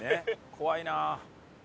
怖いなあ。